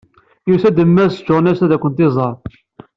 Yusa-d Mass Jones ad kent-iẓeṛ.